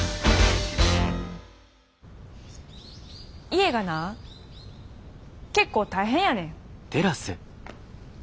家がな結構大変やねん。